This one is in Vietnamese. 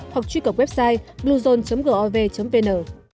hoặc truy cập website bluezone gov vn